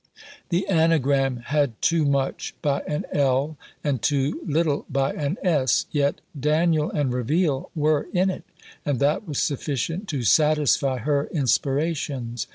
The anagram had too much by an L, and too little by an s; yet Daniel and reveal were in it, and that was sufficient to satisfy her inspirations.